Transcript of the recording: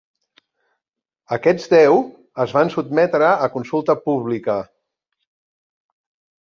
Aquests deu es van sotmetre a consulta pública.